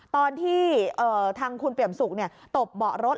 ตอนที่ทางคุณเปี่ยมสุขตบเบาะรถ